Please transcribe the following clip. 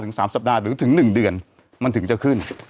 ๓สัปดาห์หรือถึง๑เดือนมันถึงจะขึ้น